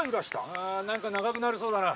あ何か長くなりそうだな。